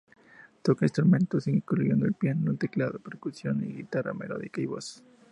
Toca instrumentos incluyendo el piano, teclado, percusión, guitarra, melódica y voz.